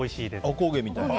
おこげみたいな。